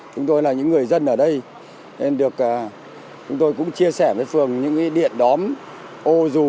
chúng tôi là những người dân ở đây nên được chúng tôi cũng chia sẻ với phường những điện đóm ô rù